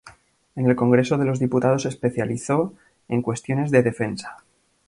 En el Congreso de los Diputados se especializó en cuestiones de Defensa.